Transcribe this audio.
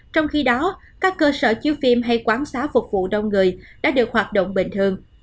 trong khi đó các cơ sở chiếu phim hay quán xá phục vụ đông người đã được hoạt động bình thường